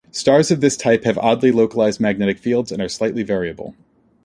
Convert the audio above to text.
Stars of this type have oddly localised magnetic fields and are slightly variable.